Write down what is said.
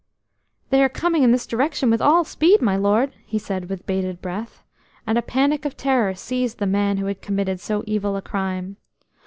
"They are coming in this direction with all speed, my lord!" he said with bated breath, and a panic of terror seized the man who had committed so evil a crime.